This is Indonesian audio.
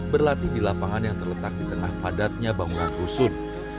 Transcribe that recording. berlatih di lapangan yang terletak di tengah padatnya bangunan rusun